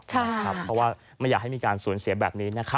เพราะว่าไม่อยากให้มีการสูญเสียแบบนี้นะครับ